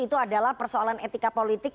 itu adalah persoalan etika politik